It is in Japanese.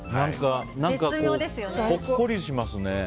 何かほっこりしますね。